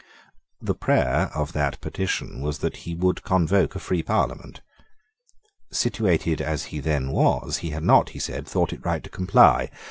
The prayer of that petition was that he would convoke a free Parliament. Situated as he then was, he had not, he said, thought it right to comply.